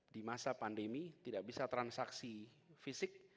di masa pandemi tidak bisa transaksi fisik